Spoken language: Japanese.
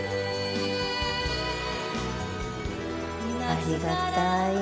ありがたい。